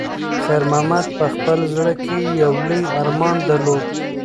خیر محمد په خپل زړه کې یو لوی ارمان درلود.